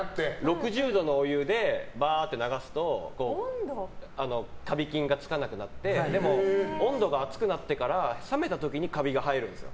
６０度のお湯でバーって流すとカビ菌がつかなくなってでも、温度が暑くなってから冷めた時にカビが生えるんですよ。